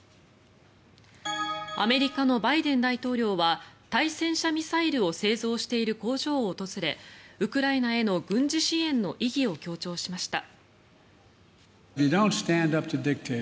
アメリカのバイデン大統領は対戦車ミサイルを製造している工場を訪れウクライナへの軍事支援の意義を強調しました。